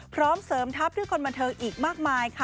พร้อมเสริมทัพด้วยคนบรรเทอร์อีกมากมาย